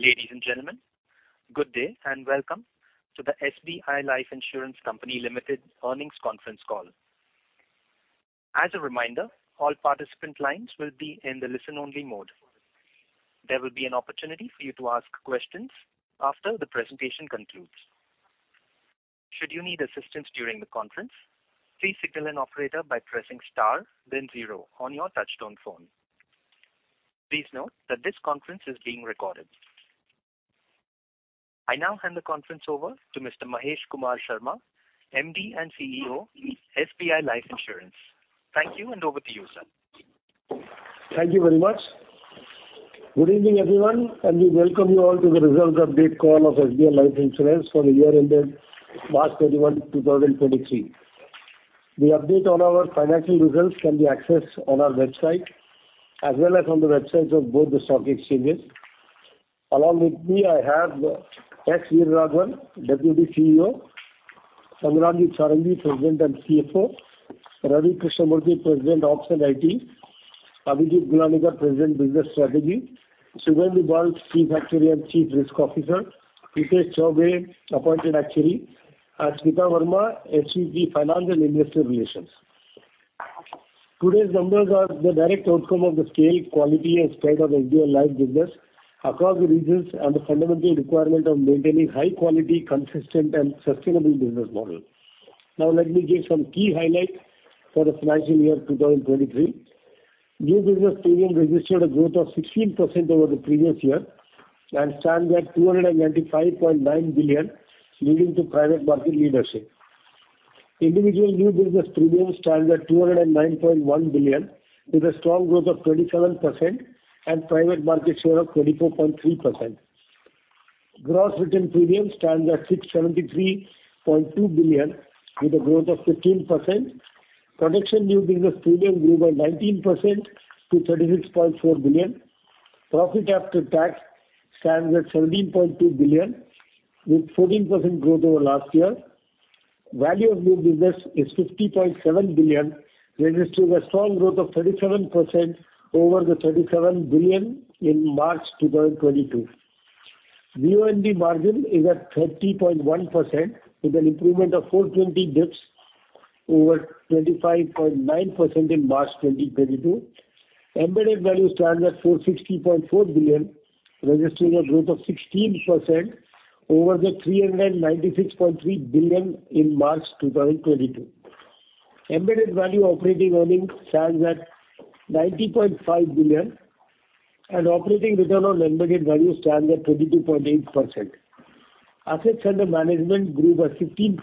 Ladies and gentlemen, good day and welcome to the SBI Life Insurance Company Limited Earnings Conference Call. As a reminder, all participant lines will be in the listen-only mode. There will be an opportunity for you to ask questions after the presentation concludes. Should you need assistance during the conference, please signal an operator by pressing star then zero on your touchtone phone. Please note that this conference is being recorded. I now hand the conference over to Mr. Mahesh Kumar Sharma, MD and CEO, SBI Life Insurance. Thank you, over to you, sir. Thank you very much. Good evening, everyone. We welcome you all to the results update call of SBI Life Insurance for the year ended 31 March 2023. The update on our financial results can be accessed on our website as well as on the websites of both the stock exchanges. Along with me, I have S. Veeraraghavan, Deputy CEO, Sangramjit Sarangi, President and CFO, Ravi Krishnamurthy, President Ops and IT, Abhijit Gulanikar, President Business Strategy, Subhendu Bal, Chief Actuary and Chief Risk Officer, Prithesh Chaubey, Appointed Actuary, and Smita Verma, Head CP Financial Investor Relations. Today's numbers are the direct outcome of the scale, quality, and strength of SBI Life business across the regions and the fundamental requirement of maintaining high quality, consistent, and sustainable business model. Let me give some key highlights for the financial year 2023. New business premium registered a growth of 16% over the previous year and stands at 295.9 billion, leading to private market leadership. Individual new business premium stands at 209.1 billion, with a strong growth of 27% and private market share of 24.3%. Gross written premium stands at 673.2 billion with a growth of 15%. Production new business premium grew by 19% to 36.4 billion. Profit after tax stands at 17.2 billion, with 14% growth over last year. Value of new business is 50.7 billion, registering a strong growth of 37% over the 37 billion in March 2022. VONB margin is at 30.1%, with an improvement of 420 dips over 25.9% in March 2022. Embedded value stands at 460.4 billion, registering a growth of 16% over the 396.3 billion in March 2022. Embedded value operating earnings stands at 90.5 billion. Operating return on embedded value stands at 22.8%. Assets under management grew by 15%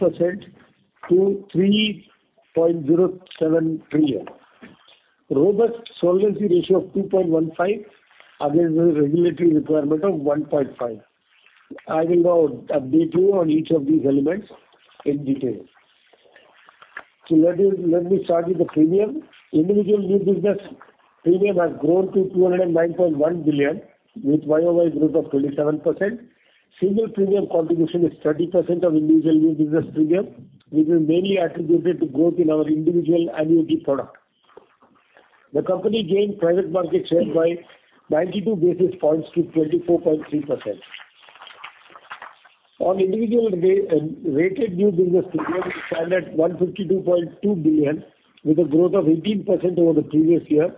to 3.07 trillion. Robust solvency ratio of 2.15 against the regulatory requirement of 1.5. I will now update you on each of these elements in detail. Let me start with the premium. Individual new business premium has grown to 209.1 billion, with Y-O-Y growth of 27%. Single premium contribution is 30% of individual new business premium, which is mainly attributed to growth in our individual annuity product. The company gained private market share by 92 basis points to 24.3%. On individual rated new business premium stand at 152.2 billion with a growth of 18% over the previous year,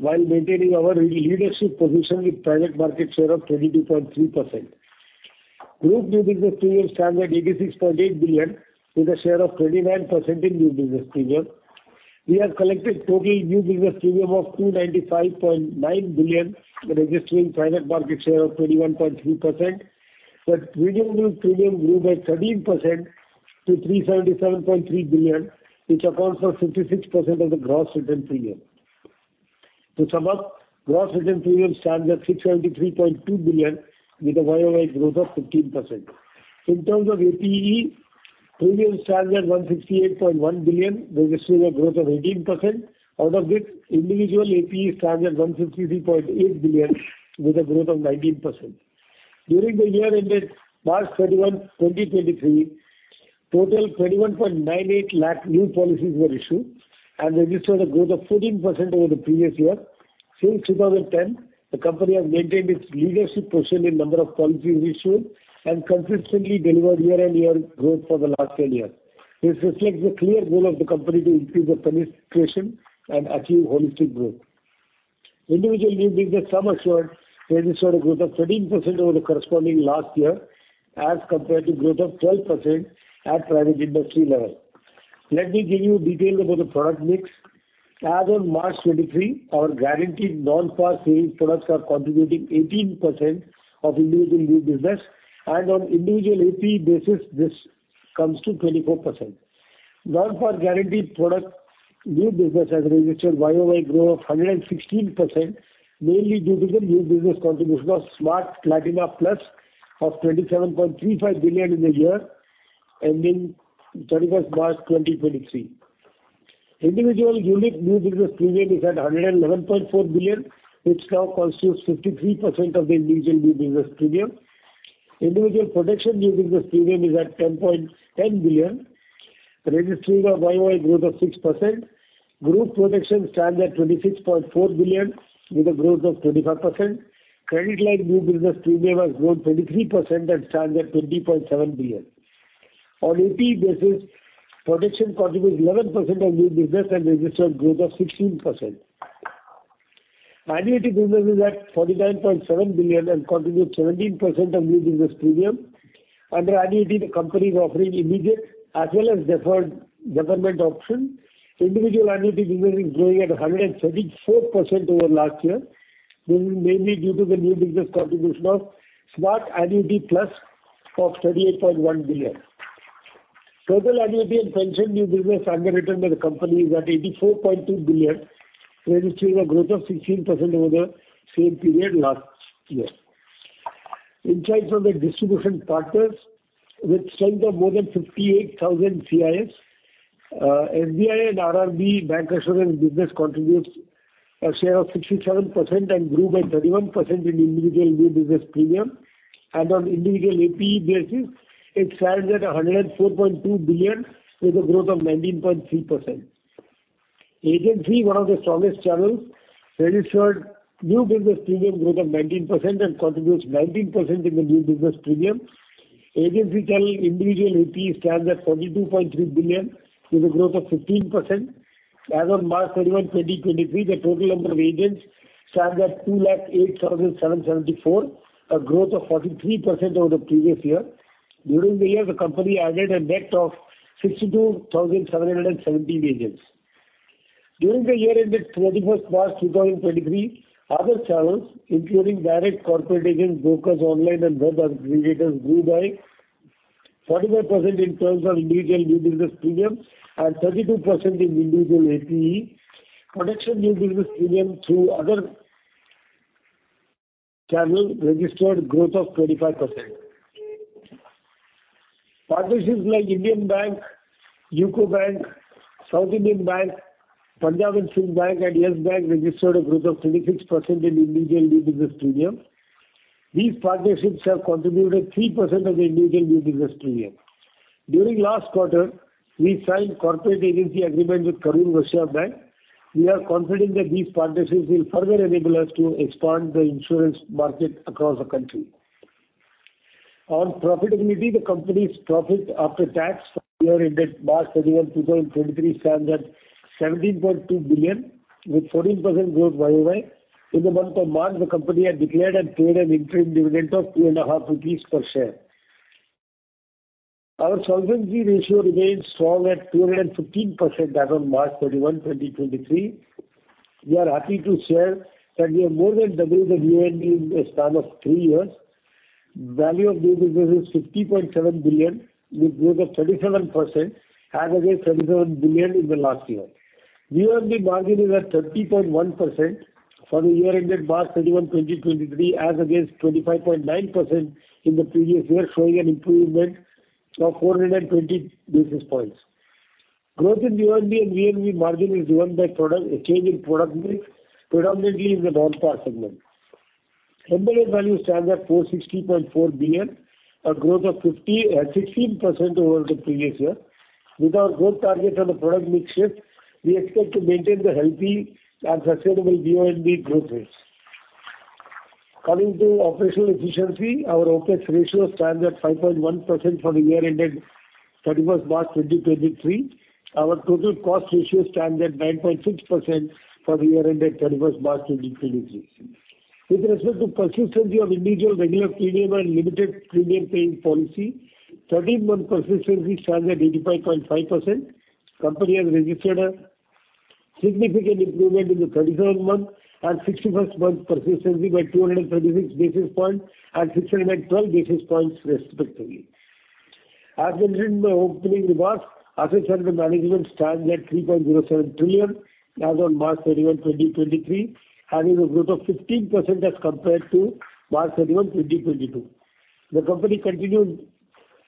while maintaining our leadership position with private market share of 22.3%. Group new business premiums stand at 86.8 billion, with a share of 29% in new business premium. We have collected total new business premium of 295.9 billion, registering private market share of 21.3%. Renewable premium grew by 13% to 377.3 billion, which accounts for 56% of the gross written premium. To sum up, gross written premium stands at INR 673.2 billion with a Y-O-Y growth of 15%. In terms of APE, premium stands at 168.1 billion, registering a growth of 18%. Out of this, individual APE stands at 163.8 billion with a growth of 19%. During the year ended 31 March 2023, total 21.98 lakh new policies were issued and registered a growth of 14% over the previous year. Since 2010, the company has maintained its leadership position in number of policies issued and consistently delivered year-on-year growth for the last 10 years. This reflects the clear goal of the company to increase the penetration and achieve holistic growth. Individual new business sum assured registered a growth of 13% over the corresponding last year, as compared to growth of 12% at private industry level. Let me give you details about the product mix. As on 23 March, our guaranteed non-par sales products are contributing 18% of individual new business, and on individual APE basis, this comes to 24%. Non-par guaranteed product new business has registered Y-O-Y growth of 116%, mainly due to the new business contribution of Smart Platina Plus of 27.35 billion in the year ending 31 March 2023. Individual unit new business premium is at 111.4 billion, which now constitutes 53% of the individual new business premium. Individual protection new business premium is at 10.10 billion. Registered a Y-O-Y growth of 6%. Group protection stands at 26.4 billion with a growth of 25%. Credit line new business premium has grown 23% and stands at 20.7 billion. On APE basis, protection contributes 11% of new business and registered growth of 16%. Annuity business is at 49.7 billion and contributes 17% of new business premium. Under annuity, the company is offering immediate as well as deferred government option. Individual annuity business is growing at 134% over last year, mainly due to the new business contribution of Smart Annuity Plus of 38.1 billion. Total annuity and pension new business underwritten by the company is at 84.2 billion, registering a growth of 16% over the same period last year. Insights on the distribution partners with strength of more than 58,000 CIFs, SBI and RRB Bank Insurance business contributes a share of 67% and grew by 31% in individual new business premium. On individual APE basis, it stands at 104.2 billion with a growth of 19.3%. Agency, one of the strongest channels, registered new business premium growth of 19% and contributes 19% in the new business premium. Agency channel individual APE stands at 42.3 billion with a growth of 15%. As on March 31, 2023, the total number of agents stands at 2,08,774, a growth of 43% over the previous year. During the year, the company added a net of 62,770 agents. During the year ended 31 March 2023, other channels, including direct corporate agents, brokers, online and web aggregators grew by 44% in terms of individual new business premium and 32% in individual APE. Production new business premium through other channel registered growth of 25%. Partnerships like Indian Bank, UCO Bank, South Indian Bank, Punjab and Sind Bank and Yes Bank registered a growth of 26% in individual new business premium. These partnerships have contributed 3% of individual new business premium. During last quarter, we signed corporate agency agreement with Karur Vysya Bank. We are confident that these partnerships will further enable us to expand the insurance market across the country. On profitability, the company's profit after tax for year ended 31 March 2023 stands at 17.2 billion with 14% growth Y-O-Y. In the month of March, the company had declared and paid an interim dividend of three and a half rupees per share. Our solvency ratio remains strong at 215% as on 31 March 2023. We are happy to share that we have more than doubled the VNB in a span of three years. Value of new business is 50.7 billion, with growth of 37% as against 37 billion in the last year. VNB margin is at 30.1% for the year ended 31 March 2023, as against 25.9% in the previous year, showing an improvement of 420 basis points. Growth in VNB and VNB margin is driven by a change in product mix, predominantly in the non-par segment. MVR value stands at 460.4 billion, a growth of 16% over the previous year. With our growth target on the product mix shift, we expect to maintain the healthy and sustainable VNB growth rates. Coming to operational efficiency, our OPEX ratio stands at 5.1% for the year ended 31 March 2023. Our total cost ratio stands at 9.6% for the year ended 31 March 2023. With respect to persistency of individual regular premium and limited premium paying policy, 13-month persistency stands at 85.5%. Company has registered a significant improvement in the 37-month and 61-month persistency by 236 basis points and 612 basis points respectively. As mentioned in my opening remarks, assets under management stands at 3.07 trillion as on 31 March 2023, having a growth of 15% as compared to 31 March 2022. The company continued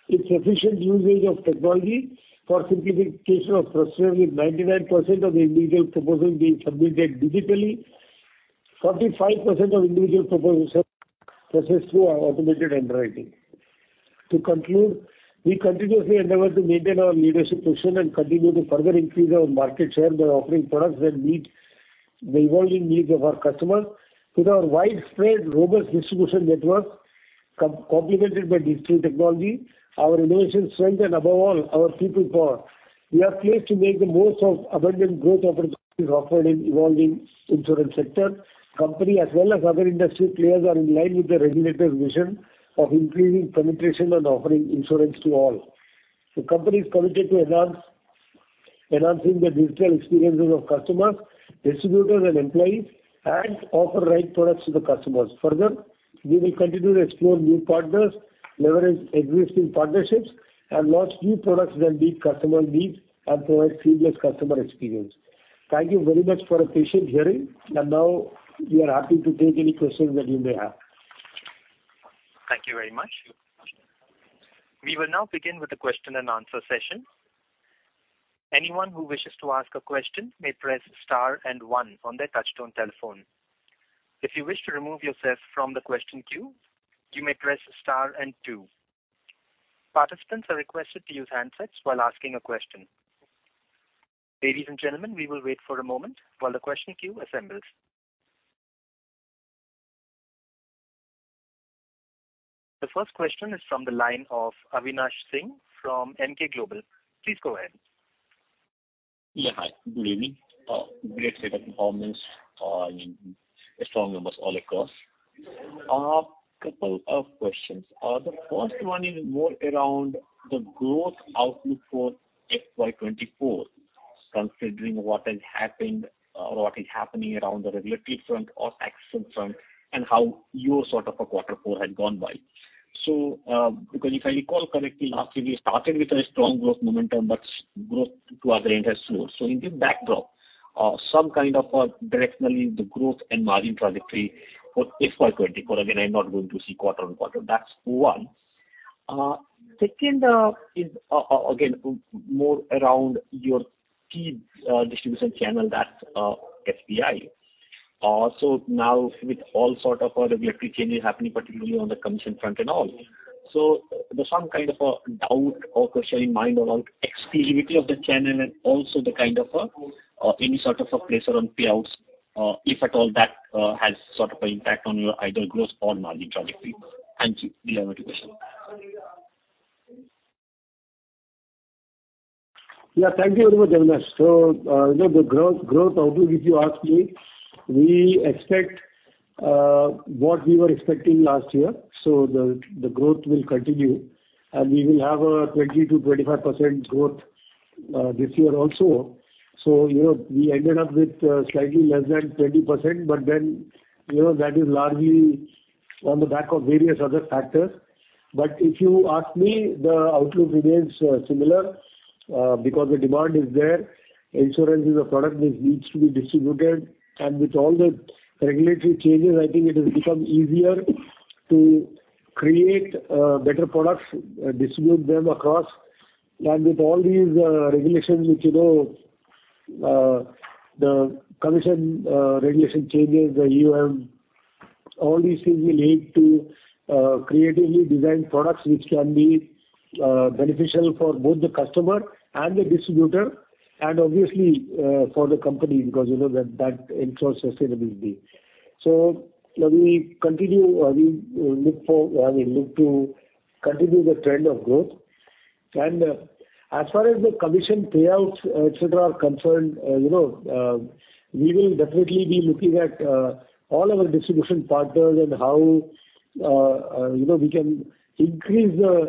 its efficient usage of technology for simplification of procedure, with 99% of individual proposals being submitted digitally. 45% of individual proposals are processed through our automated underwriting. To conclude, we continuously endeavor to maintain our leadership position and continue to further increase our market share by offering products that meet the evolving needs of our customers. With our widespread robust distribution network complicated by digital technology, our innovation strength and above all, our people power, we are placed to make the most of abundant growth opportunities offered in evolving insurance sector. Company as well as other industry players are in line with the regulator's vision of increasing penetration and offering insurance to all. The company is committed to enhancing the digital experiences of customers, distributors and employees and offer right products to the customers. Further, we will continue to explore new partners, leverage existing partnerships and launch new products that meet customer needs and provide seamless customer experience. Thank you very much for your patient hearing. Now we are happy to take any questions that you may have. Thank you very much. We will now begin with the question and answer session. Anyone who wishes to ask a question may press star and one on their touch-tone telephone. If you wish to remove yourself from the question queue, you may press star and two. Participants are requested to use handsets while asking a question. Ladies and gentlemen, we will wait for a moment while the question queue assembles. The first question is from the line of Avinash Singh from Emkay Global. Please go ahead. Yeah, hi. Good evening. Great set of performance and strong numbers all across. Couple of questions. The first one is more around the growth outlook for FY 2024, considering what has happened or what is happening around the regulatory front or tax front, and how your sort of a quarter four had gone by. Because if I recall correctly, last year you started with a strong growth momentum, but growth throughout the year has slowed. In the backdrop of some kind of a directionally the growth and margin trajectory for FY 2024, again, I'm not going to see quarter-on-quarter. That's one. Second is again, more around your key distribution channel that SBI. Now with all sort of regulatory changes happening particularly on the commission front and all, there's some kind of a doubt or question in mind around exclusivity of the channel and also the kind of a, any sort of a pressure on payouts, if at all that, has sort of an impact on your either growth or margin trajectory. Thank you. We'll have other question. Yeah, thank you very much, Avinash. you know, the growth outlook, if you ask me, we expect what we were expecting last year. The growth will continue and we will have a 20%-25% growth this year also. you know, we ended up with slightly less than 20%, you know, that is largely on the back of various other factors. If you ask me, the outlook remains similar because the demand is there. Insurance is a product which needs to be distributed. With all the regulatory changes, I think it has become easier to create better products, distribute them across. With all these regulations which, you know, the commission regulation changes, the ULIP, all these things will lead to creatively designed products which can be beneficial for both the customer and the distributor and obviously for the company because you know that ensures sustainability. We continue or we look for or we look to continue the trend of growth. As far as the commission payouts, etc., are concerned, you know, we will definitely be looking at all our distribution partners and how, you know, we can increase the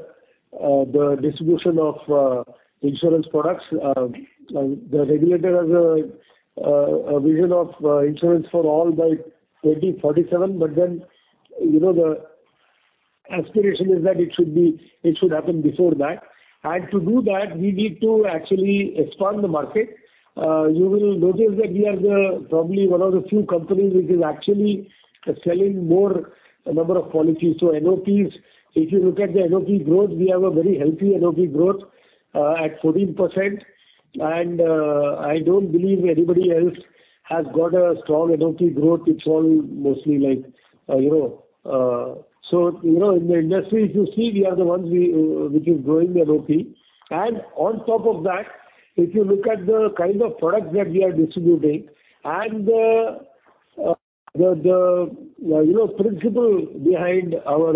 distribution of insurance products. The regulator has a vision of insurance for all by 2047, but then, you know, the aspiration is that it should be, it should happen before that. To do that, we need to actually expand the market. You will notice that we are the probably one of the few companies which is actually selling more number of policies. NOPs, if you look at the NOP growth, we have a very healthy NOP growth at 14%. I don't believe anybody else has got a strong NOP growth. It's all mostly like, you know. You know, in the industry, if you see we are the ones which is growing the NOP. On top of that, if you look at the kind of products that we are distributing and the, you know, principle behind our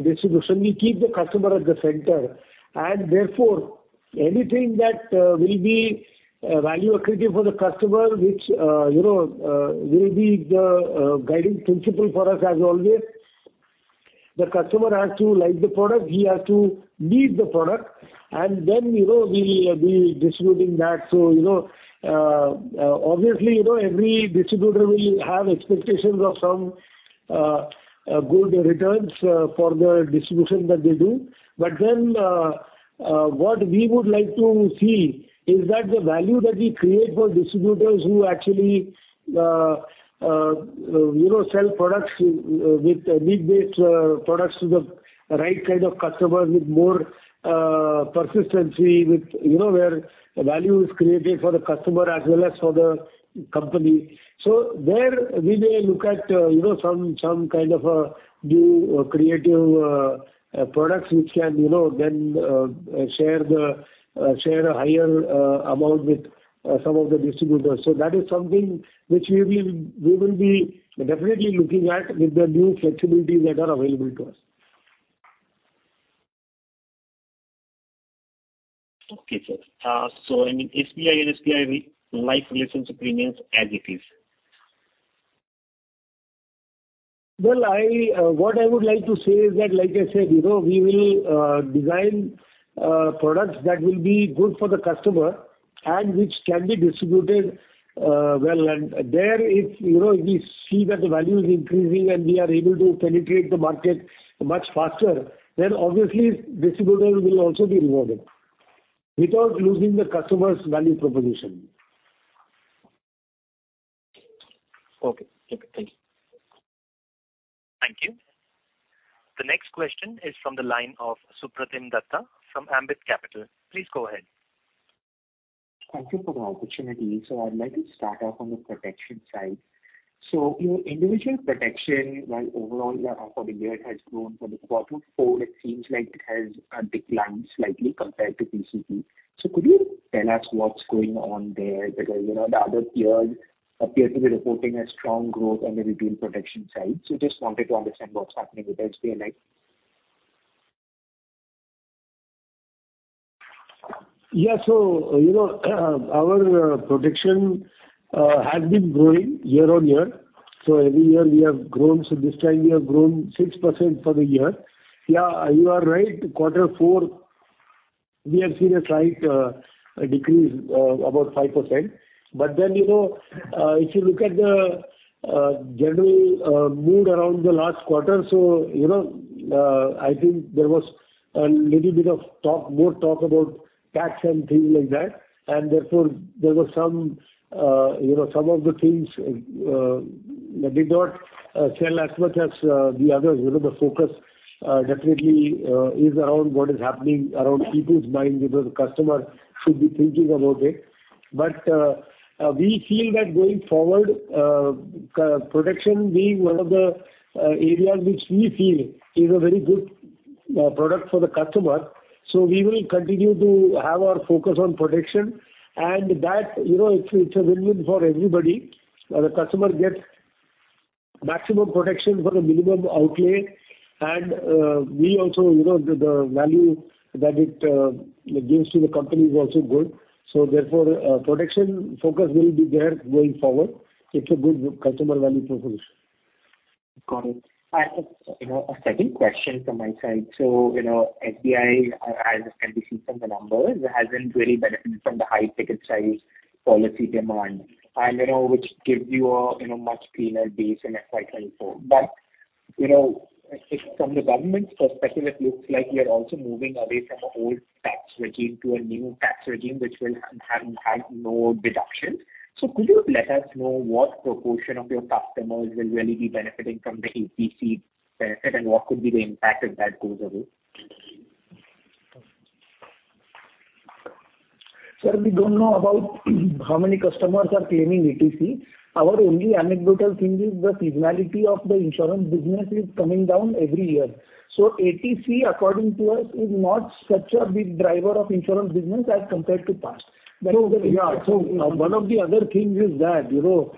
distribution, we keep the customer at the center and therefore anything that will be value accretive for the customer, which, you know, will be the guiding principle for us as always. The customer has to like the product, he has to need the product, and then, you know, we'll be distributing that. You know, obviously, you know, every distributor will have expectations of some good returns for the distribution that they do. What we would like to see is that the value that we create for distributors who actually, you know, sell products we base products to the right kind of customers with more persistency with, you know, where value is created for the customer as well as for the company. There we may look at, you know, some kind of a new creative products which can, you know, then, share a higher amount with some of the distributors. That is something which we will be definitely looking at with the new flexibilities that are available to us. Okay, sir. I mean, SBI and SBI Life relationship remains as it is. Well, I, what I would like to say is that, like I said, you know, we will design products that will be good for the customer and which can be distributed well. There if, you know, if we see that the value is increasing and we are able to penetrate the market much faster, then obviously distributors will also be rewarded without losing the customer's value proposition. Okay. Okay. Thank you. Thank you. The next question is from the line of Supratim Datta from Ambit Capital. Please go ahead. Thank you for the opportunity. I'd like to start off on the protection side. Your individual protection, while overall for the year it has grown, for the quarter four it seems like it has declined slightly compared to PCP. Could you tell us what's going on there? Because, you know, the other peers appear to be reporting a strong growth on the retail protection side. Just wanted to understand what's happening with SBI Life. Yeah. you know, our protection has been growing year-on-year. Every year we have grown. This time we have grown 6% for the year. Yeah, you are right. Quarter four we have seen a slight decrease about 5%. you know, if you look at the general mood around the last quarter, you know, I think there was a little bit of talk, more talk about tax and things like that, and therefore, there were some, you know, some of the things that did not sell as much as the others. You know, the focus definitely is around what is happening around people's minds because the customer should be thinking about it. We feel that going forward, protection being one of the areas which we feel is a very good product for the customer. We will continue to have our focus on protection. That, you know, it's a win-win for everybody. The customer gets maximum protection for the minimum outlay and we also, you know, the value that it gives to the company is also good. Therefore, protection focus will be there going forward. It's a good customer value proposition. Got it. You know, a second question from my side. You know, SBI, as can be seen from the numbers, hasn't really benefited from the high ticket size policy demand and, you know, which gives you a, you know, much cleaner base in FY 2024. You know, if from the government's perspective, it looks like we are also moving away from a old tax regime to a new tax regime, which will have no deductions. Could you let us know what proportion of your customers will really be benefiting from the ATC benefit, and what could be the impact if that goes away? Sir, we don't know about how many customers are claiming ATC. Our only anecdotal thing is the seasonality of the insurance business is coming down every year. ATC, according to us, is not such a big driver of insurance business as compared to past. Yeah. One of the other things is that, you know,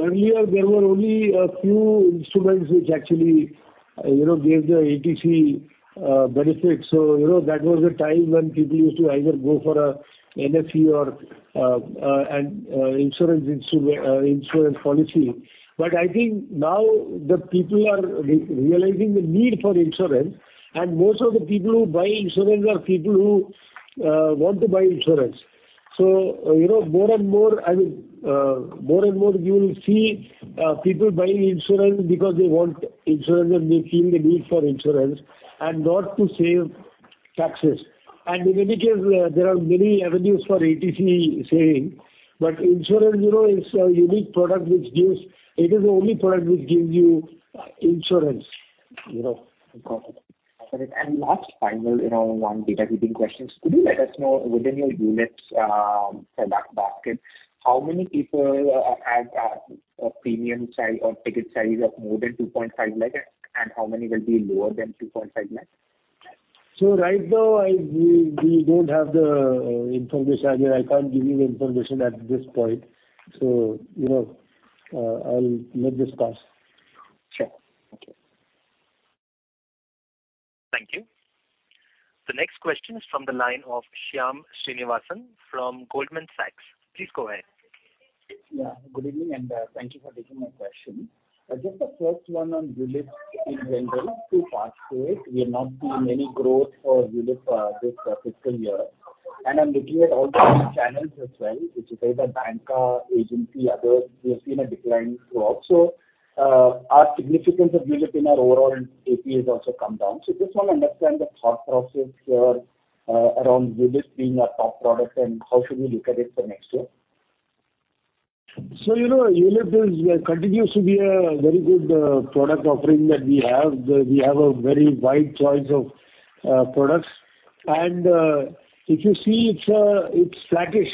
earlier there were only a few instruments which actually, you know, gave the ATC benefit. You know, that was a time when people used to either go for a FD or an insurance policy. I think now the people are realizing the need for insurance, and most of the people who buy insurance are people who want to buy insurance. You know, more and more, I mean, more and more you will see, people buying insurance because they want insurance and they feel the need for insurance and not to save taxes. In any case, there are many avenues for ATC saving. Insurance, you know, is a unique product. It is the only product which gives you insurance, you know. Got it. Last final, you know, one data digging question. Could you let us know within your ULIP product basket, how many people have a premium size or ticket size of more than 2.5 lakhs, and how many will be lower than 2.5 lakhs? Right now, I, we don't have the information. I mean, I can't give you the information at this point. You know, I'll let this pass. Sure. Okay. Thank you. The next question is from the line of Shyam Srinivasan from Goldman Sachs. Please go ahead. Yeah, good evening, and thank you for taking my question. Just the first one on ULIP in general, to pass through it, we have not seen any growth for ULIP this fiscal year. I'm looking at all the channels as well, which is either banker, agency, other, we have seen a decline throughout. Our significance of ULIP in our overall APE has also come down. Just want to understand the thought process here around ULIP being a top product and how should we look at it for next year. You know, ULIP is continues to be a very good product offering that we have. We have a very wide choice of products. If you see it's it's flattish,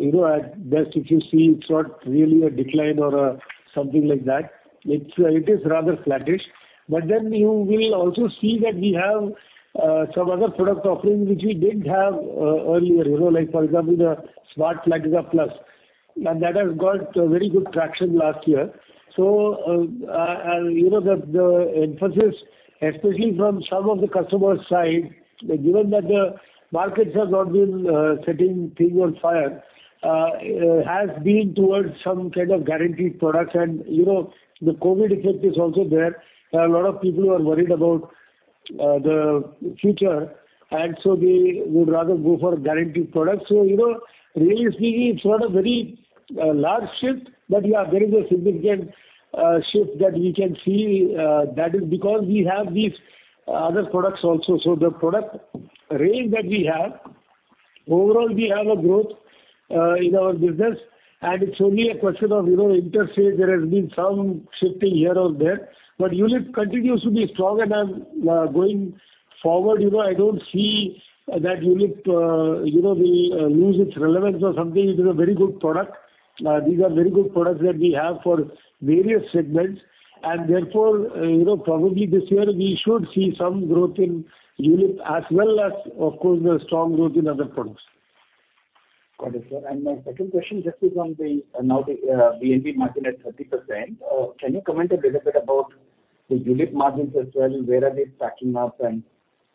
you know, at best if you see it's not really a decline or something like that. It's it is rather flattish. You will also see that we have some other product offerings which we didn't have earlier, you know, like for example, the Smart Bachat Plus. That has got very good traction last year. You know, the emphasis, especially from some of the customer side, given that the markets have not been setting things on fire, has been towards some kind of guaranteed products. You know, the COVID effect is also there. A lot of people are worried about the future, and so they would rather go for guaranteed products. You know, really speaking, it's not a very large shift. Yeah, there is a significant shift that we can see, that is because we have these other products also. The product range that we have, overall we have a growth in our business, and it's only a question of, you know, interstate. There has been some shifting here or there. ULIP continues to be strong. I'm going forward, you know, I don't see that ULIP, you know, will lose its relevance or something. It is a very good product. These are very good products that we have for various segments. Therefore, you know, probably this year we should see some growth in ULIP as well as, of course, a strong growth in other products. Got it, sir. My second question just is on the, now the VNB margin at 30%. Can you comment a little bit about the ULIP margins as well? Where are they stacking up, and,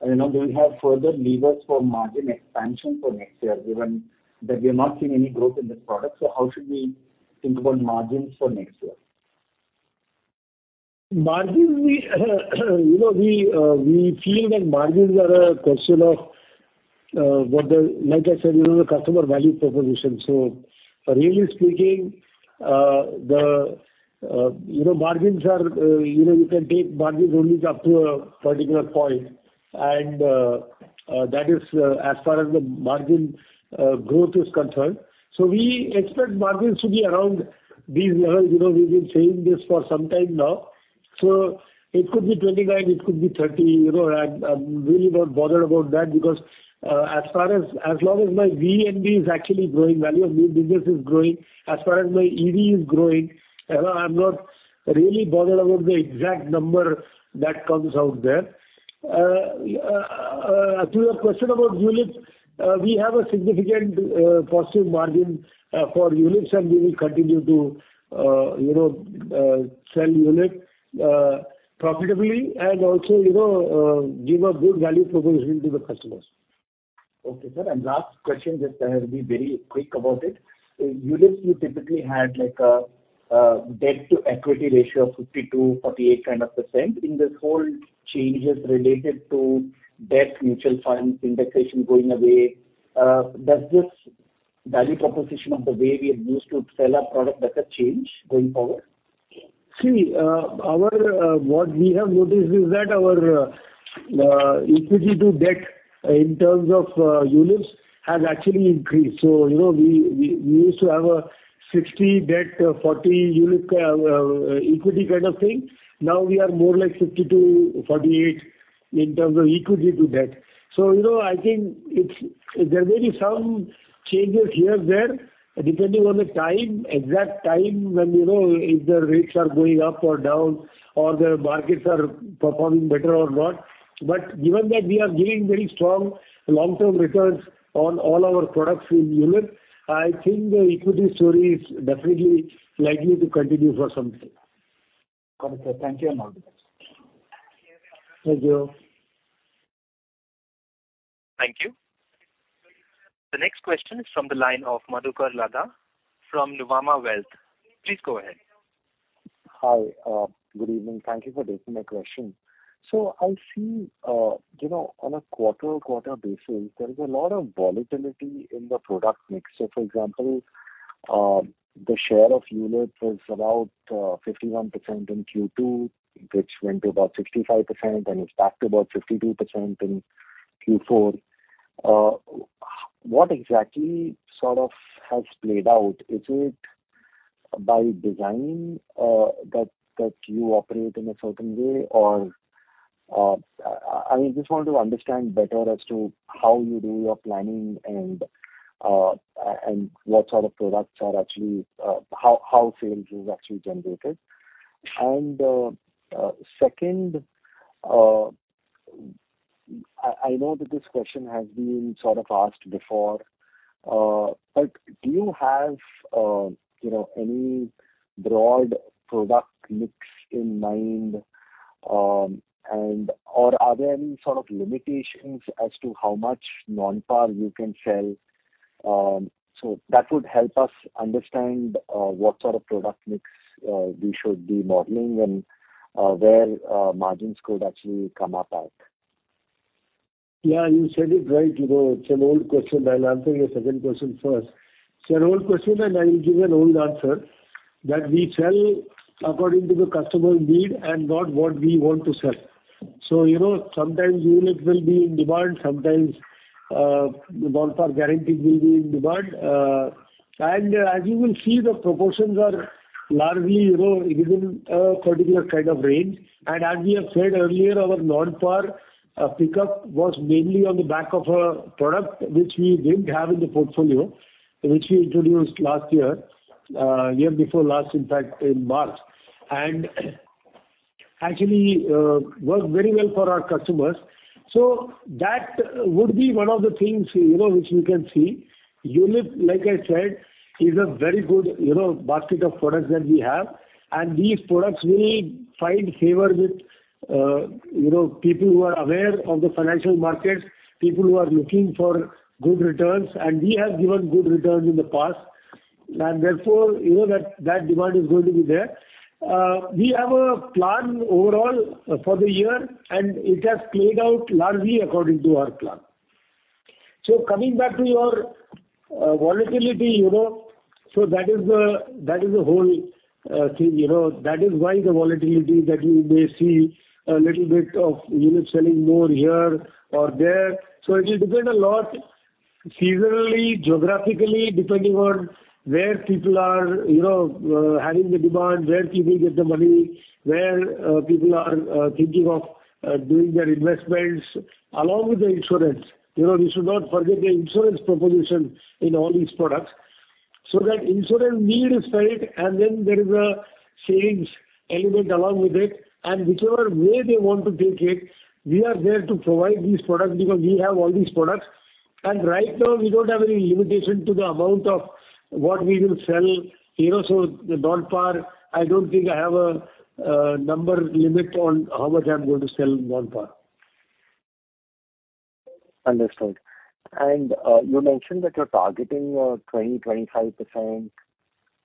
you know, do we have further levers for margin expansion for next year, given that we are not seeing any growth in this product? How should we think about margins for next year? Margins, we you know, we feel that margins are a question of, Like I said, you know, the customer value proposition. Really speaking, the, you know, margins are, you know, you can take margins only up to a particular point and that is as far as the margin growth is concerned. We expect margins to be around these levels. You know, we've been saying this for some time now. It could be 29, it could be 30, you know. I'm really not bothered about that because as far as long as my VNB is actually growing, value of new business is growing, as far as my EV is growing, I'm not really bothered about the exact number that comes out there. To your question about ULIP, we have a significant positive margin for ULIPs. We will continue to, you know, sell ULIP profitably and also, you know, give a good value proposition to the customers. Okay, sir. Last question, I have to be very quick about it. ULIP, you typically had like a 52-48 kind of % debt-to-equity ratio. In this whole changes related to debt, mutual funds, indexation going away, does this value proposition of the way we are used to sell our product, does that change going forward? See, our what we have noticed is that our equity to debt in terms of ULIPs has actually increased. you know, we used to have a 60 debt, 40 ULIP equity kind of thing. Now we are more like 50 to 48 in terms of equity to debt. you know, I think it's, there may be some changes here and there, depending on the time, exact time when, you know, if the rates are going up or down or the markets are performing better or not. Given that we are giving very strong long-term returns on all our products in ULIP, I think the equity story is definitely likely to continue for some time. Got it, sir. Thank you and. Thank you. Thank you. The next question is from the line of Madhukar Ladha from Nuvama Wealth. Please go ahead. Hi. Good evening. Thank you for taking my question. I see, you know, on a quarter-on-quarter basis, there is a lot of volatility in the product mix. For example, the share of ULIP was about 51% in Q2, which went to about 65% and it's back to about 52% in Q4. What exactly sort of has played out? Is it by design that you operate in a certain way? Or, I just want to understand better as to how you do your planning and what sort of products are actually how sales is actually generated. Second, I know that this question has been sort of asked before, but do you have, you know, any broad product mix in mind, and... Are there any sort of limitations as to how much non-par you can sell? That would help us understand what sort of product mix we should be modeling and where margins could actually come up at. Yeah, you said it right. You know, it's an old question. I'll answer your second question first. It's an old question, and I will give an old answer, that we sell according to the customer need and not what we want to sell. You know, sometimes ULIP will be in demand, sometimes non-par guarantees will be in demand. As you will see, the proportions are largely, you know, within a particular kind of range. As we have said earlier, our non-par pickup was mainly on the back of a product which we didn't have in the portfolio, which we introduced last year before last, in fact, in March, and actually worked very well for our customers. That would be one of the things, you know, which we can see. ULIP, like I said, is a very good, you know, basket of products that we have. These products will find favor with, you know, people who are aware of the financial markets, people who are looking for good returns, and we have given good returns in the past. Therefore, you know, that demand is going to be there. We have a plan overall for the year, and it has played out largely according to our plan. Coming back to your volatility, that is the whole thing, you know. That is why the volatility that you may see a little bit of, you know, selling more here or there. It will depend a lot seasonally, geographically, depending on where people are, you know, having the demand, where people get the money, where people are thinking of doing their investments along with the insurance. You know, we should not forget the insurance proposition in all these products. That insurance need is there, and then there is a savings element along with it. Whichever way they want to take it, we are there to provide these products because we have all these products. Right now we don't have any limitation to the amount of what we will sell. You know, the non-par, I don't think I have a number limit on how much I'm going to sell non-par. Understood. You mentioned that you're targeting 20%-25%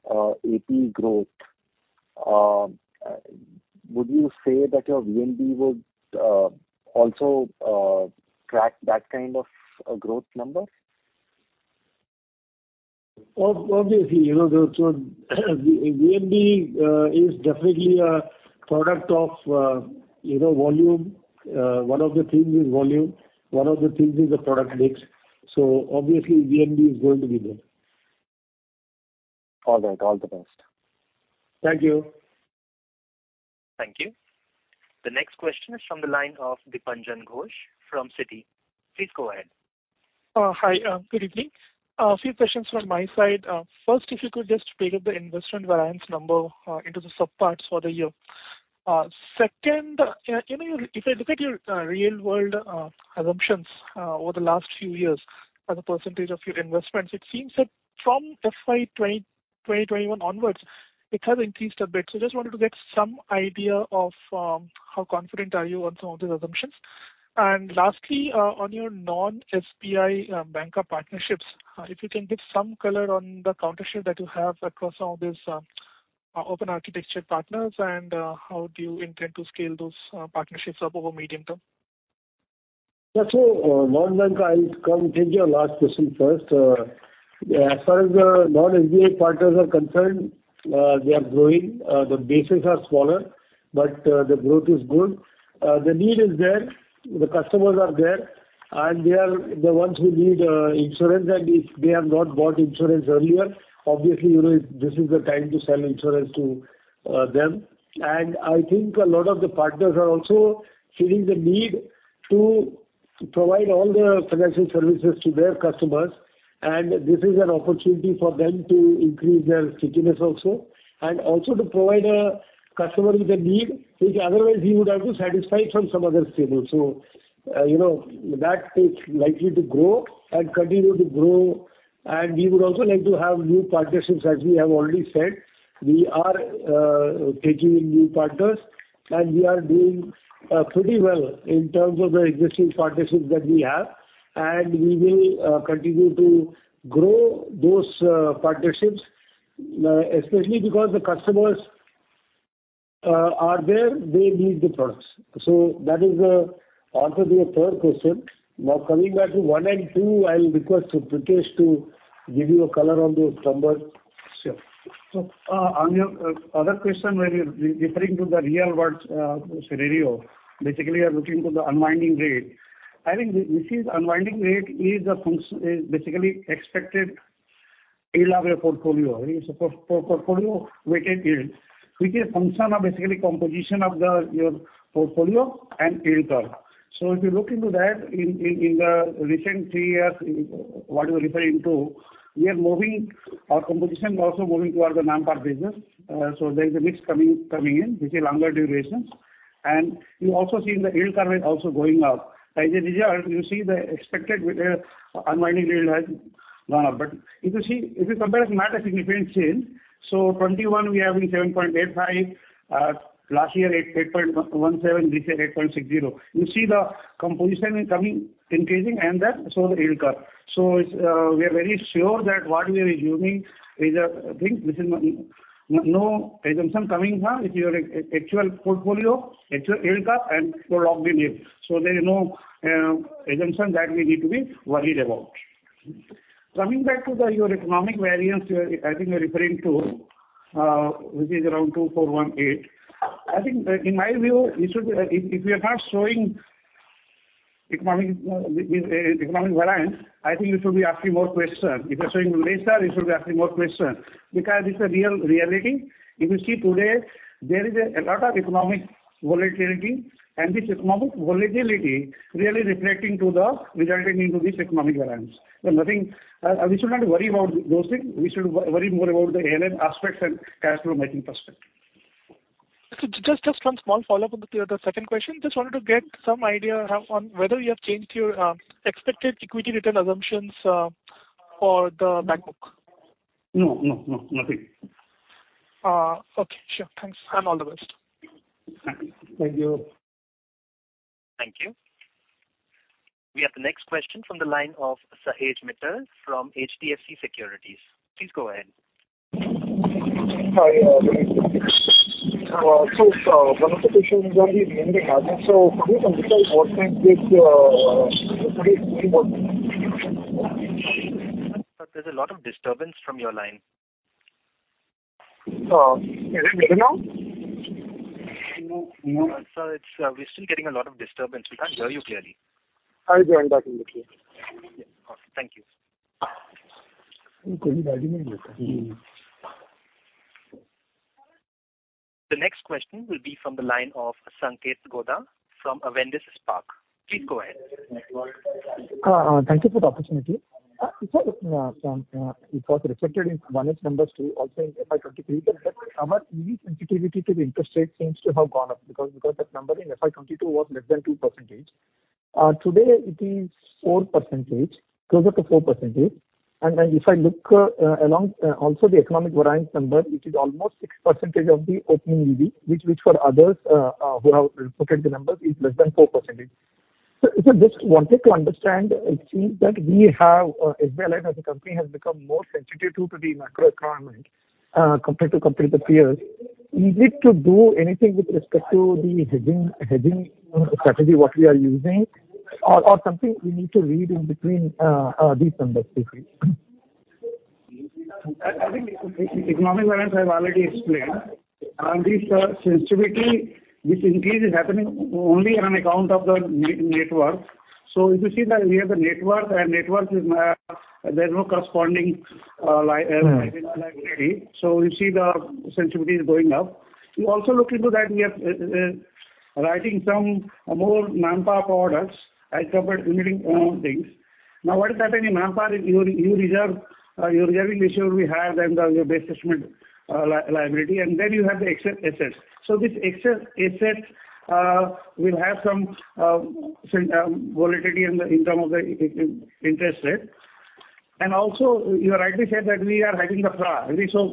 AP growth. Would you say that your VNB would also track that kind of a growth number? Obviously, you know, VNB is definitely a product of, you know, volume. One of the things is volume. One of the things is the product mix. Obviously, VNB is going to be there. All right. All the best. Thank you. Thank you. The next question is from the line of Dipanjan Ghosh from Citi. Please go ahead. Hi. Good evening. A few questions from my side. First, if you could just break up the investment variance number into the sub parts for the year. Second, you know, if I look at your real world assumptions over the last few years as a percentage of your investments, it seems that from FY 2020, 2021 onwards, it has increased a bit. Just wanted to get some idea of how confident are you on some of these assumptions. Lastly, on your non-SBI banker partnerships, if you can give some color on the counter share that you have across all these open architecture partners and how do you intend to scale those partnerships up over medium term? Yeah. Non-bank, I'll come take your last question first. As far as the non-SBI partners are concerned, they are growing. The bases are smaller, but the growth is good. The need is there, the customers are there, and they are the ones who need insurance, and if they have not bought insurance earlier, obviously, you know, this is the time to sell insurance to them. I think a lot of the partners are also feeling the need to provide all the financial services to their customers, and this is an opportunity for them to increase their stickiness also, and also to provide a customer with a need which otherwise he would have to satisfy from some other stable. You know, that is likely to grow and continue to grow. We would also like to have new partnerships. As we have already said, we are taking new partners. We are doing pretty well in terms of the existing partnerships that we have. We will continue to grow those partnerships especially because the customers are there, they need the products. That is answer to your third question. Coming back to one and two, I'll request Pritesh to give you a color on those numbers. Sure. On your other question where you're referring to the real world, scenario, basically you're looking to the unwinding rate. I think this unwinding rate is basically expected yield of your portfolio. It's a portfolio weighted yield, which is function of basically composition of your portfolio and yield curve. If you look into that in the recent 3 years, what you're referring to, we are moving our composition also moving toward the non-par business. There is a mix coming in which is longer durations. You're also seeing the yield curve is also going up. As a result, you see the expected unwinding yield has gone up. If you see, if you compare, it's not a significant change. 2021 we are having 7.85%. Last year 8.17%. This year 8.60%. You see the composition is coming, increasing and that, so the yield curve. It's, we are very sure that what we are assuming is a thing which is no assumption coming from it. Your actual portfolio, actual yield curve and for lock the yield. There is no assumption that we need to be worried about. Coming back to your economic variance, I think you're referring to, which is around 2,418. I think in my view, you should, if you are not showing economic variance, I think you should be asking more question. If you're showing less, you should be asking more question because it's a real reality. If you see today, there is a lot of economic volatility, and this economic volatility really resulting into this economic variance. Nothing. We should not worry about those things. We should worry more about the ALM aspects and cash flow making perspective. Just one small follow-up with the second question. Just wanted to get some idea on whether you have changed your expected equity return assumptions for the bank book. No, no, nothing. Okay. Sure. Thanks, and all the best. Thank you. Thank you. We have the next question from the line of Sahej Mittal from HDFC Securities. Please go ahead. Hi. One of the questions are these mainly margin? Could you clarify what kind this? Sir, there's a lot of disturbance from your line. Is it better now? No, sir. It's, we're still getting a lot of disturbance. We can't hear you clearly. I'll join back in the queue. Yeah. Okay. Thank you. The next question will be from the line of Sanketh Godha from Avendus Spark. Please go ahead. Thank you for the opportunity. Sir, some, it was reflected in one is numbers two, also in FY 2023. Our EV sensitivity to the interest rate seems to have gone up because that number in FY 2022 was less than 2%. Today it is 4%, closer to 4%. If I look along also the economic variance number, it is almost 6% of the opening EV, which for others who have reported the numbers is less than 4%. Just wanted to understand it seems that we have, HBL as a company has become more sensitive to the macro environment, compared to competitor peers. Is it to do anything with respect to the hedging strategy, what we are using or something we need to read in between these numbers, please? I think economic variance I've already explained. This sensitivity, this increase is happening only on account of the network. If you see that we have the network and network is, there's no corresponding liability. You see the sensitivity is going up. You also look into that we are writing some more non-par products as compared unitings things. Now, what is happening in non-par is you reserve, you're reserving ratio will be higher than the base assessment liability, and then you have the excess assets. This excess assets will have some volatility in the term of the interest rate. Also you rightly said that we are having the FFA.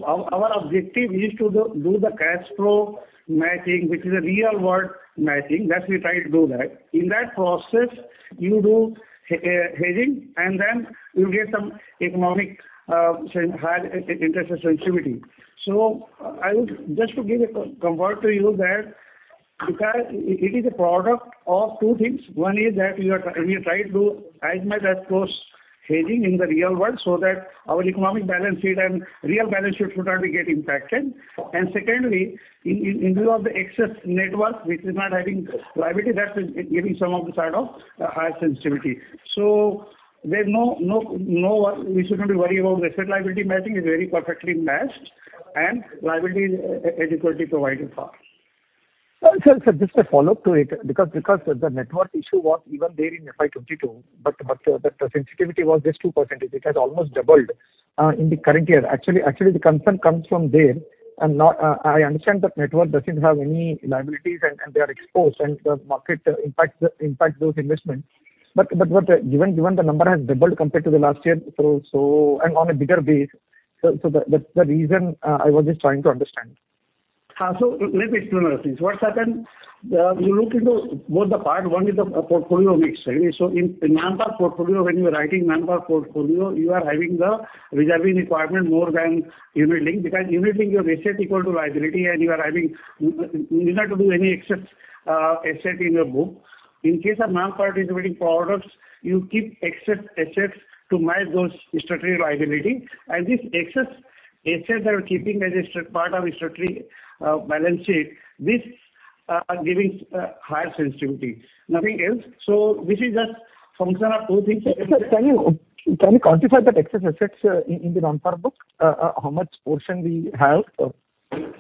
Our objective is to do the cash flow matching, which is a real world matching. That's we try to do that. In that process, you do hedging and then you get some economic higher interest sensitivity. I would just to give a comfort to you that because it is a product of two things. One is that you are trying to as much as close hedging in the real world so that our economic balance sheet and real balance sheet should not be get impacted. Secondly, in view of the excess network which is not having liabilities, that is giving some of the side of higher sensitivity. There's no one we should not be worried about. Asset Liability Matching is very perfectly matched and liability is equally provided for. Sir, just a follow-up to it because the network issue was even there in FY 2022, but the sensitivity was just 2%. It has almost doubled in the current year. Actually, the concern comes from there. Now, I understand that network doesn't have any liabilities and they are exposed and the market impacts those investments. But what given the number has doubled compared to the last year, so and on a bigger base. That's the reason I was just trying to understand. Let me explain the things. What happened, you look into both the part. One is the portfolio mix. In non-par portfolio when you are writing non-par portfolio you are having the reserving requirement more than unit link. Because unit link your asset equal to liability and you are having need not to do any excess asset in your book. In case of non-par participating products you keep excess assets to match those statutory liability and this excess assets are keeping as a part of statutory balance sheet. This giving higher sensitivity, nothing else. This is just function of two things. Sir, can you quantify that excess assets in the non-par book? How much portion we have?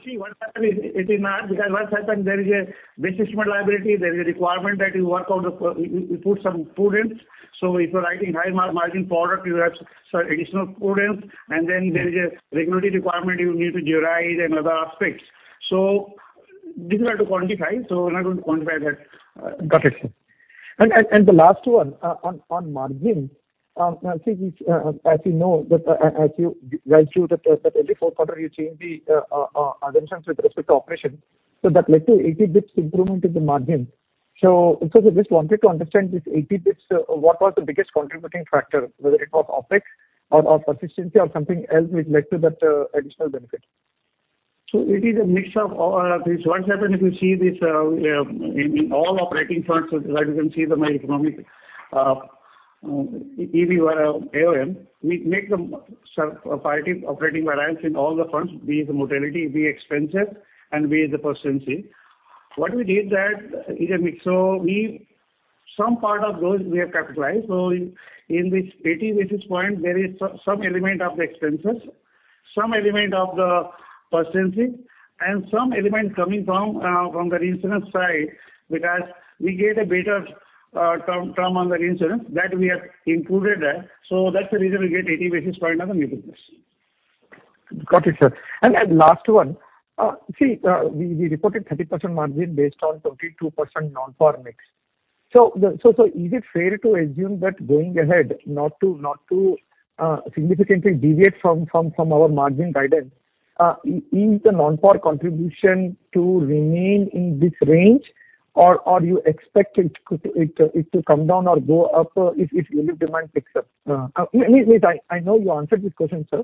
See what happen is it is not because what happen there is a base assessment liability. There is a requirement that you work out you put some prudence. If you're writing high margin product, you have some additional prudence. Then there is a regulatory requirement you need to derive and other aspects. Difficult to quantify. We're not going to quantify that. Got it. The last one, on margin. I think it's, as you know that as you value that every quarter you change the assumptions with respect to operation. That led to 80 basis improvement in the margin. Because I just wanted to understand this 80 basis, what was the biggest contributing factor, whether it was OpEx or persistency or something else which led to that additional benefit? It is a mix of all of this. What happened if you see this, in all operating fronts, as you can see the my economic EV AOP, we make the operating variance in all the fronts, be it the mortality, be it expenses and be it the persistency. What we did that is a mix. We some part of those we have capitalized. In this 80 basis point there is some element of the expenses, some element of the persistency and some element coming from the reinsurance side because we get a better term on the reinsurance that we have improved there. That's the reason we get 80 basis point of improvement. Got it, sir. Last one. See, we reported 30% margin based on 22% non-par mix. Is it fair to assume that going ahead, not to significantly deviate from our margin guidance, is the non-par contribution to remain in this range? Do you expect it to come down or go up if unit demand picks up? Maybe I know you answered this question, sir.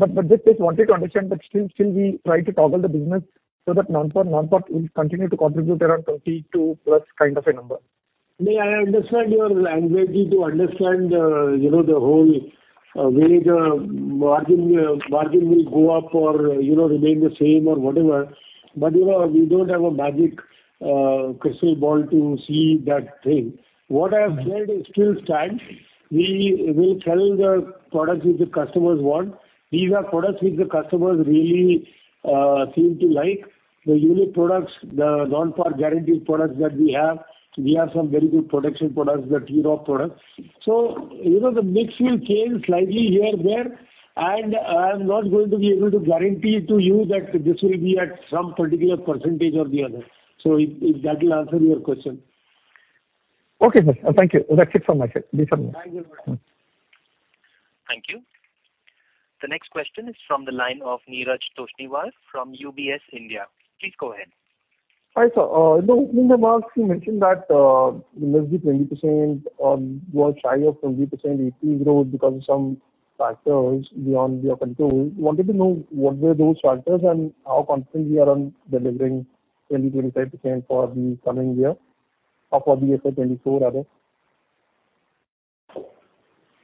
Just wanted to understand that still we try to toggle the business so that non-par, non-par will continue to contribute around 22+ kind of a number. May I understand your language to understand, you know, the whole, way the margin will go up or, you know, remain the same or whatever. You know, we don't have a magic crystal ball to see that thing. What I've said still stands. We will sell the products which the customers want. These are products which the customers really seem to like. The unit products, the non-par guarantee products that we have, we have some very good protection products, the T-Roc products. You know, the mix will change slightly here and there, and I'm not going to be able to guarantee to you that this will be at some particular percentage or the other. If that will answer your question. Okay, sir. Thank you. That's it from my side. Thank you. Thank you. The next question is from the line of Neeraj Toshniwal from UBS India. Please go ahead. Hi, sir. in the marks you mentioned that, maybe 20% or you are shy of 20% APE growth because of some factors beyond your control. Wanted to know what were those factors and how confident we are on delivering 20%-25% for the coming year or for the year 2024 rather?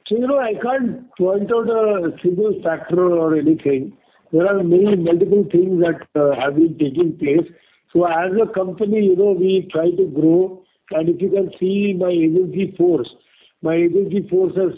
You know, I can't point out a single factor or anything. There are many multiple things that have been taking place. As a company, you know, we try to grow. If you can see my agency force, my agency force has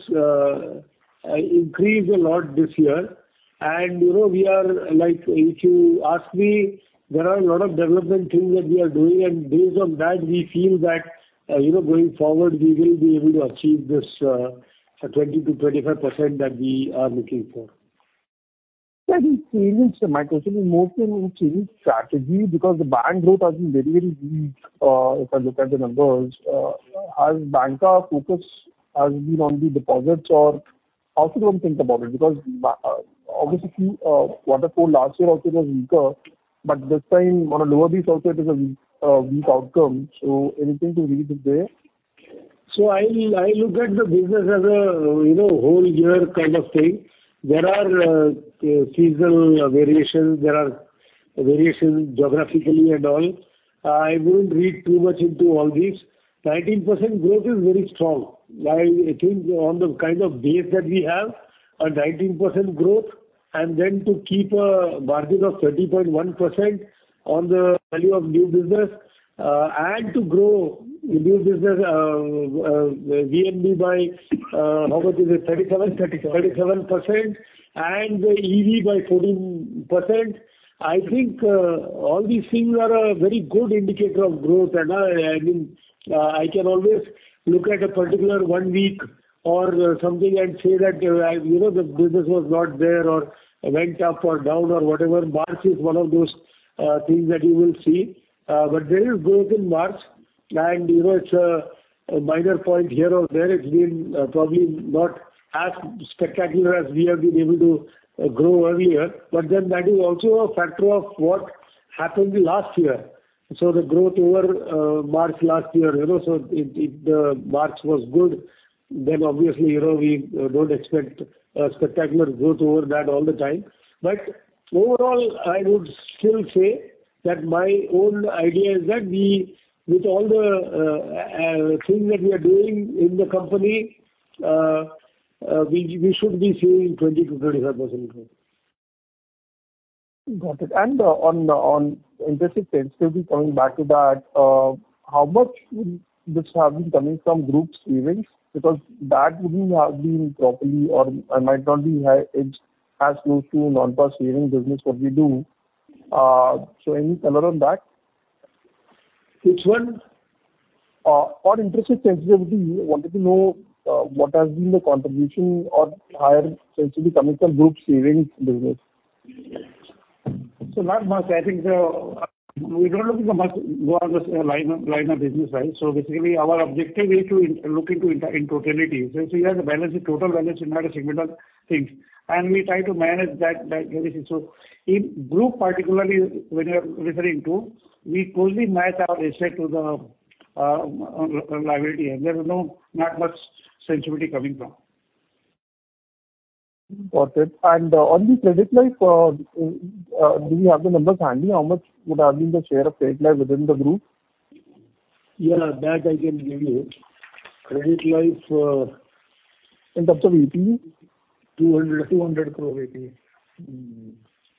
increased a lot this year. You know, we are like, if you ask me, there are a lot of development things that we are doing, and based on that, we feel that, you know, going forward, we will be able to achieve this, 20%-25% that we are looking for. Yeah. The change in my question is more to do with change strategy because the bank growth has been very, very weak. If I look at the numbers, has bank focus has been on the deposits or how should one think about it? Obviously quarter four last year also was weaker, but this time on a lower base also it is a weak outcome. Anything to read it there? I look at the business as a, you know, whole year kind of thing. There are seasonal variations. There are variations geographically and all. I wouldn't read too much into all this. 19% growth is very strong. I think on the kind of base that we have, a 19% growth and then to keep a margin of 30.1% on the value of new business, and to grow new business VNB by, how much is it? 37%. 37. 37% and EV by 14%. I think all these things are a very good indicator of growth. I mean, I can always look at a particular one week or something and say that, you know, the business was not there or went up or down or whatever. March is one of those things that you will see. There is growth in March, and, you know, it's a minor point here or there. It's been probably not as spectacular as we have been able to grow earlier. That is also a factor of what happened last year. The growth over March last year, you know, if the March was good, obviously, you know, we don't expect a spectacular growth over that all the time. Overall, I would still say that my own idea is that we, with all the thing that we are doing in the company, we should be seeing 20%-35% growth. Got it. On interest expense, still be coming back to that, how much would this have been coming from group savings? Because that wouldn't have been properly or might not be high, it's as close to non-par savings business what we do. Any color on that? Which one? On interest expense, we would be wanting to know, what has been the contribution or higher sensitivity coming from group savings business. Not much. I think, we don't look much along this line of business, right? Basically our objective is to look into in totality. We have to balance the total balance and not a segment of things, and we try to manage that very thing. In group particularly, when you are referring to, we closely match our asset to the liability, and there is no, not much sensitivity coming from. Got it. On the credit life, do you have the numbers handy? How much would have been the share of credit life within the group? Yeah. That I can give you. Credit life, In terms of AP? INR 200 crore AP. Mm-hmm.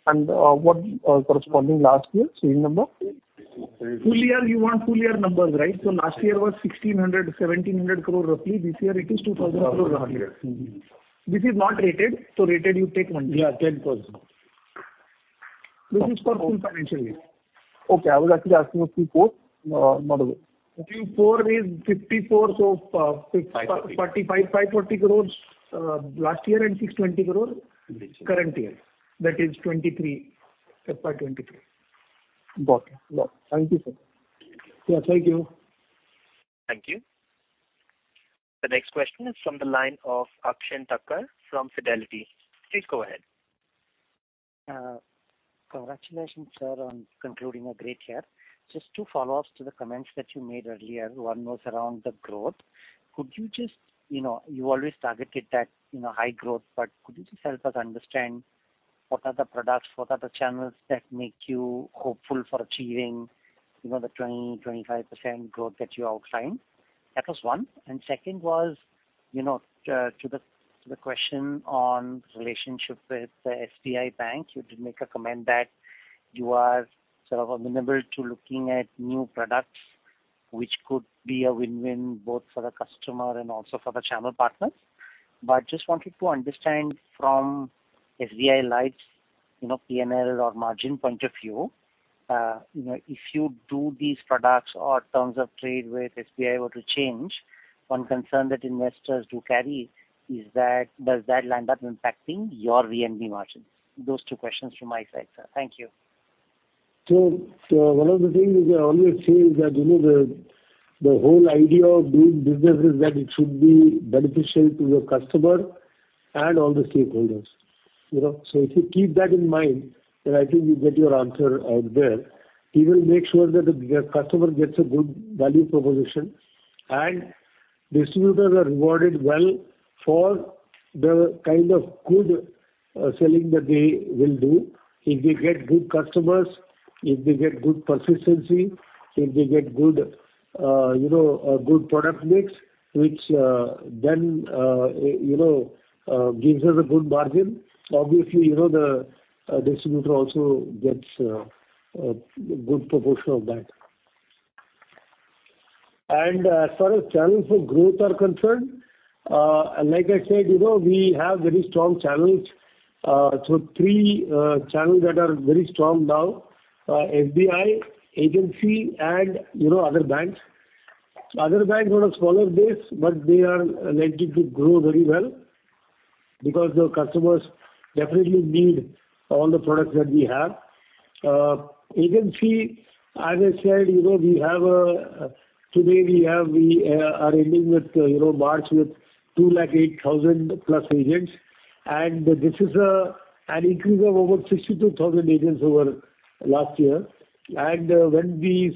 What corresponding last year same number? Full year. You want full year numbers, right? Last year was 1,600 crore-1,700 crore roughly. This year it is 2,000 crore roughly. Mm-hmm. This is not rated. Rated you take 1/3. Yeah, 10%. This is for full financial year. Okay. I was actually asking for Q4, not over. Q4 is 54. INR 540. 45, 540 crore last year and 620 crore current year. That is 23, FY23. Got it. Got it. Thank you, sir. Yes, thank you. Thank you. The next question is from the line of Akshen Thakkar from Fidelity. Please go ahead. Congratulations, sir, on concluding a great year. Just two follow-ups to the comments that you made earlier. One was around the growth. Could you just, you know, you always targeted that, you know, high growth, but could you just help us understand what are the products, what are the channels that make you hopeful for achieving, you know, the 20-25% growth that you outlined? That was one. Second was, you know, to the question on relationship with SBI Bank, you did make a comment that you are sort of amenable to looking at new products, which could be a win-win both for the customer and also for the channel partners. Just wanted to understand from SBI Life's, you know, P&L or margin point of view, you know, if you do these products or terms of trade with SBI were to change, one concern that investors do carry is that does that land up impacting your VNB margins? Those two questions from my side, sir. Thank you. One of the things we always say is that, you know, the whole idea of doing business is that it should be beneficial to your customer and all the stakeholders, you know. If you keep that in mind, then I think you get your answer out there. We will make sure that the customer gets a good value proposition and distributors are rewarded well for the kind of good selling that they will do. If they get good customers, if they get good persistency, if they get good, you know, good product mix, which, then, you know, gives us a good margin, obviously, you know, the distributor also gets a good proportion of that. As far as channels of growth are concerned, like I said, you know, we have very strong channels. Three channels that are very strong now, SBI, agency, and, you know, other banks. Other banks on a smaller base, but they are likely to grow very well because the customers definitely need all the products that we have. Agency, as I said, you know, we are ending with, you know, March with 208,000 plus agents and this is an increase of over 62,000 agents over last year. When these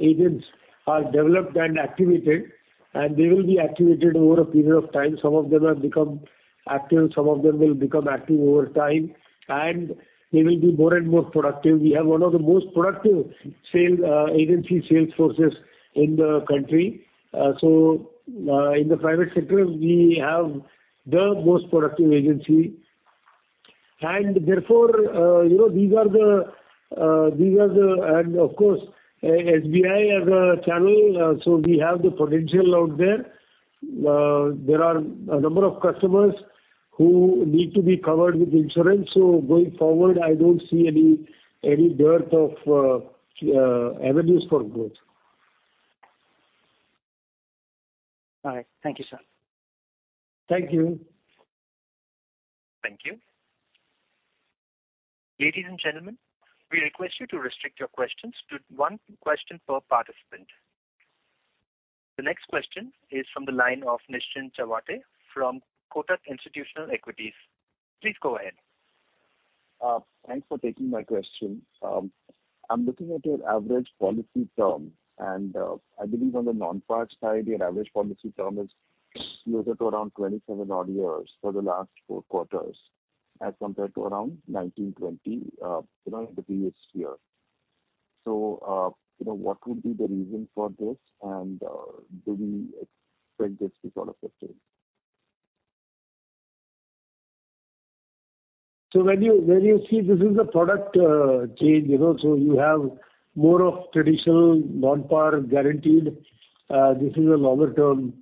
agents are developed and activated and they will be activated over a period of time, some of them have become active, some of them will become active over time, and they will be more and more productive. We have one of the most productive sales, agency sales forces in the country. In the private sector we have the most productive agency and therefore, you know, these are the and of course, SBI as a channel, so we have the potential out there. There are a number of customers who need to be covered with insurance, so going forward I don't see any dearth of avenues for growth. All right. Thank you, sir. Thank you. Thank you. Ladies and gentlemen, we request you to restrict your questions to one question per participant. The next question is from the line of Nischint Chawathe from Kotak Institutional Equities. Please go ahead. Thanks for taking my question. I'm looking at your average policy term, and I believe on the non-par side, your average policy term is closer to around 27 odd years for the last four quarters as compared to around 19, 20, you know, in the previous year. What would be the reason for this, and do we expect this to sort of sustain? When you see this is a product change, you know, so you have more of traditional non-par guaranteed, this is a longer-term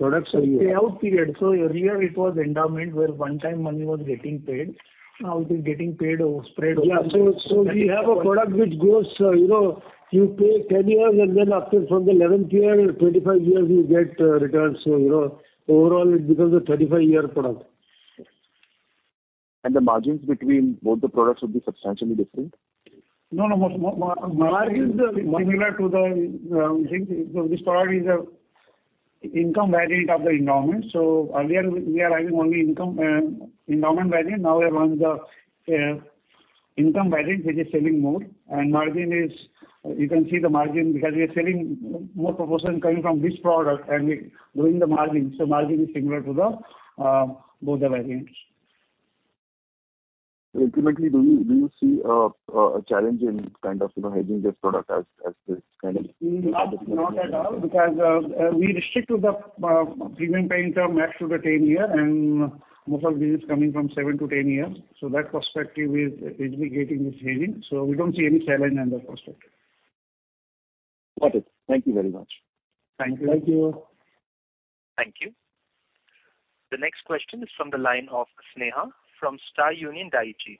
product. Payout period. Earlier it was endowment where one time money was getting paid. Now it is getting paid or spread over- Yeah. We have a product which goes, you know, you pay 10 years, and then after from the 11th year, 25 years you get returns. You know, overall it becomes a 35-year product. The margins between both the products would be substantially different? No, no. Margin is similar to the thing. This product is a income variant of the endowment. Earlier we are having only income endowment variant. Now we have run the income variant which is selling more and margin is, you can see the margin because we are selling more proportion coming from this product and we growing the margin is similar to the both the variants. ultimately do you see a challenge in kind of, you know, hedging this product as this kind of. Not at all because we restrict to the premium paying term max to the 10 year and most of this is coming from 7 to 10 years. That perspective is mitigating this hedging. We don't see any challenge on that perspective. Got it. Thank you very much. Thank you. Thank you. Thank you. The next question is from the line of Sneha from Star Union Dai-ichi.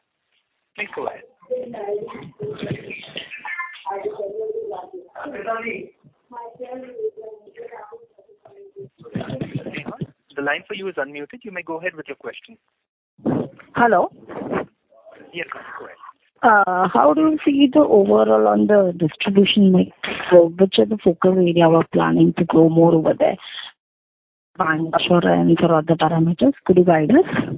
Please go ahead. Sneha, the line for you is unmuted. You may go ahead with your question. Hello. How do you see the overall on the distribution mix? Which are the focal area we're planning to grow more over there for all the parameters? Could you guide us?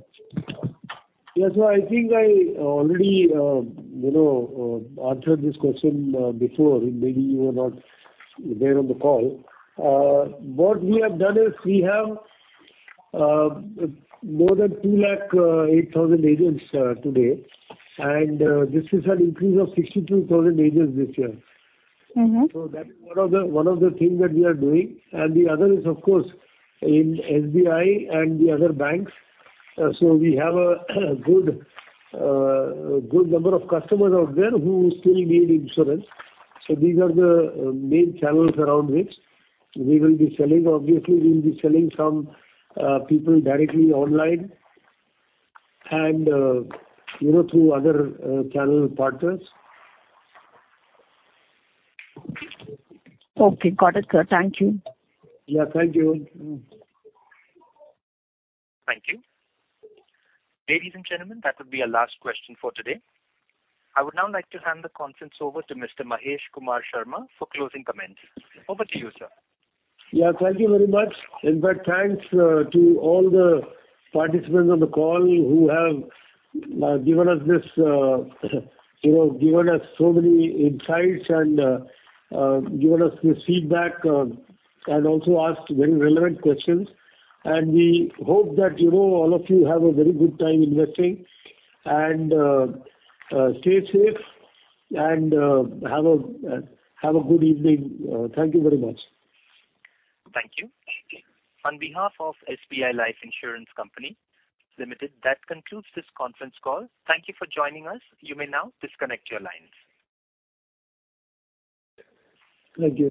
Yes. I think I already, you know, answered this question, before. Maybe you were not there on the call. What we have done is we have, more than 2 lakh, 8,000 agents, today. This is an increase of 62,000 agents this year. Mm-hmm. That is one of the things that we are doing. The other is of course, in SBI and the other banks. We have a good number of customers out there who still need insurance. These are the main channels around which we will be selling. Obviously, we'll be selling some people directly online and, you know, through other channel partners. Okay. Got it, sir. Thank you. Yeah, thank you. Mm. Thank you. Ladies and gentlemen, that will be our last question for today. I would now like to hand the conference over to Mr. Mahesh Kumar Sharma for closing comments. Over to you, sir. Yeah, thank you very much. In fact, thanks, to all the participants on the call who have, given us this, you know, given us so many insights and, given us this feedback, and also asked very relevant questions. We hope that, you know, all of you have a very good time investing. Stay safe and, have a, have a good evening. Thank you very much. Thank you. On behalf of SBI Life Insurance Company Limited, that concludes this conference call. Thank you for joining us. You may now disconnect your lines. Thank you.